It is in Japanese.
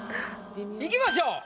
いきましょう。